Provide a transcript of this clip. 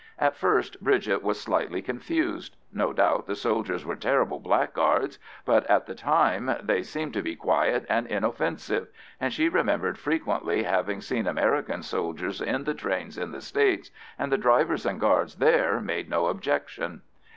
At first Bridget was slightly confused; no doubt the soldiers were terrible blackguards, but at the time they seemed to be quiet and inoffensive, and she remembered frequently having seen American soldiers in the trains in the States, and the drivers and guards there made no objection.